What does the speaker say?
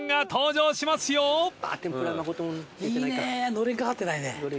のれん掛かってないね。